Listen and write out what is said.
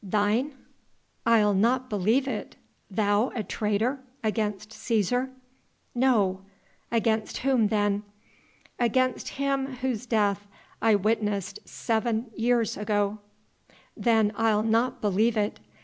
"Thine?... I'll not believe it.... Thou a traitor ... against Cæsar?" "No." "Against whom, then?" "Against Him Whose death I witnessed seven years ago." "Then I'll not believe it.